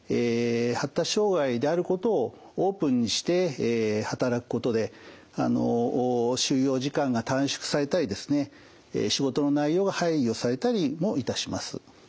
発達障害であることをオープンにして働くことで就労時間が短縮されたり仕事の内容が配慮されたりもいたします。